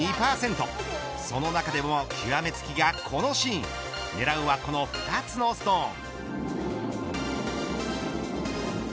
その中でも極めつきがこのシーン狙うは、この２つのストーン。